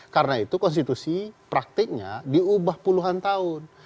karena itu konstitusi praktiknya diubah puluhan tahun